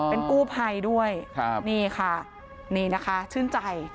เป็นกู้ภัยด้วยครับนี่ค่ะนี่นะคะชื่นใจ